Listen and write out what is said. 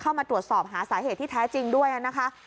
เข้ามาตรวจสอบหาสาเหตุที่แท้จริงด้วยนะคะ